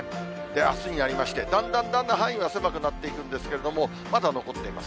あすになりまして、だんだんだんだん範囲は狭くなっていくんですけれども、まだ残ってます。